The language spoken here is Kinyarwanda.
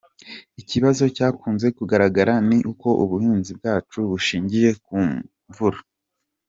Ikibazo cyakunze kugaragara ni uko ubuhinzi bwacu bushingiye ku mvura.